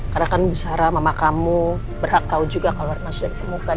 karena kan bu sarah mama kamu berhak tahu juga kalau arna sudah dikemukkan